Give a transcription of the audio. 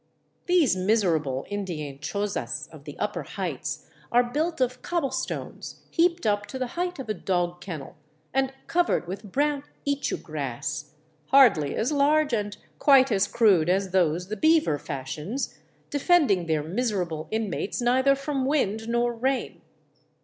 These miserable Indian cho^as of the upper heights are built of cobble stones heaped up to the height of a dog kennel and covered with brown ichu grass, hardly as large and quite as crude as those the beaver fashions, defending their miserable inmates neither from wind nor rain.